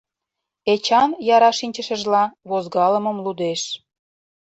Эчан, яра шинчышыжла, возгалымым лудеш.